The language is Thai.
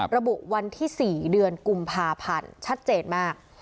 ระบุวันที่๔เดือนกุมภาพันธ์ชัดเจนมาก